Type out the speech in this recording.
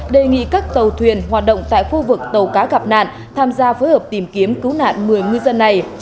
đề nghị các tàu thuyền hoạt động tại khu vực tàu cá gặp nạn tham gia phối hợp tìm kiếm cứu nạn một mươi ngư dân này